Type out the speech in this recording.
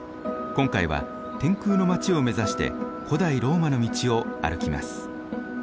今回は天空の街を目指して古代ローマの道を歩きます。